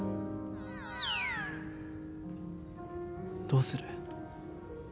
どうする？